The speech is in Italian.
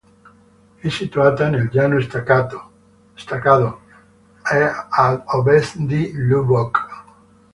È situata nel Llano Estacado, a ad ovest di Lubbock.